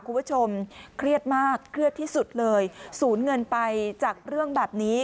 คุณผู้ชมเครียดมากเครียดที่สุดเลยสูญเงินไปจากเรื่องแบบนี้